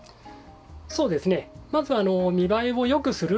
そうですね